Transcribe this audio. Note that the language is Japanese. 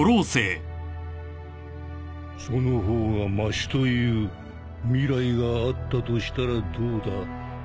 その方がましという未来があったとしたらどうだ？